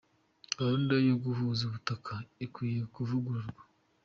Gahunda yo guhuza ubutaka ikwiye kuvugururwa.